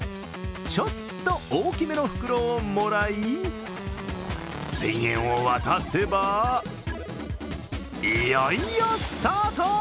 ちょっと大きめの袋のもらい、１０００円を渡せば、いよいよスタート。